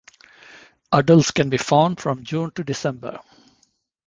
Adults can be found from June to December.